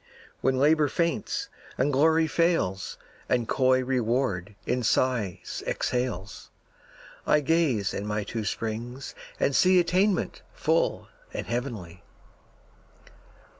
When Labor faints, and Glory fails, And coy Reward in sighs exhales, I gaze in my two springs and see Attainment full and heavenly.